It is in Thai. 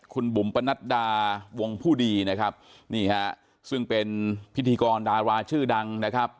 คุณบุ๋มปนัดดาวงผู้ดีนะครับนี่ฮะซึ่งเป็นพิธีกรดาราชื่อดังนะครับ